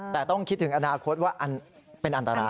แต่ต้องคิดถึงอนาคตว่าเป็นอันตราย